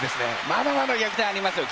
まだまだ逆転ありますよ！